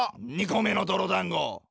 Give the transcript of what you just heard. ２個目のどろだんご！